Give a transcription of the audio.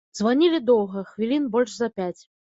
Званілі доўга, хвілін больш за пяць.